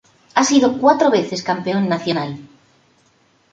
Ha sido cuatro veces campeón nacional.